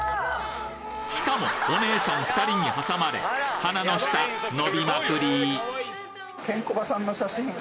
しかもお姉さん２人に挟まれ鼻の下伸びまくり！